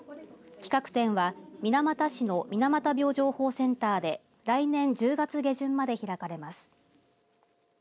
企画展は水俣市の水俣病情報センターで来年１０月下旬まで開かれます。